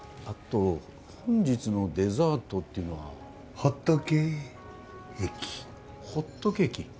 あと本日のデザートっていうのはホットケエキホットケーキ？